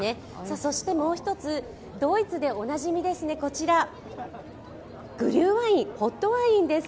そしてもう１つ、ドイツでおなじみですね、こちらグリューワイン、ホットワインです